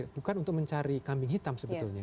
bukan untuk mencari kambing hitam sebetulnya